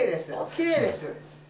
きれいです。